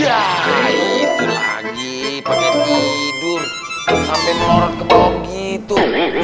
ya itu lagi pake tidur sampai melorong kebob gitu